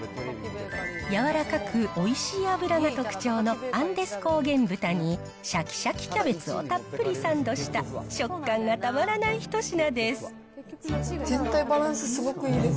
柔らかくおいしい脂が特徴のアンデス高原豚に、しゃきしゃきキャベツをたっぷりサンドした、食感がたまらない一品です。